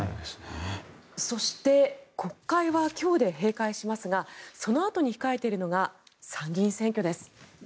そして国会は今日で閉会しますがそのあとに控えているのが参議院選挙です。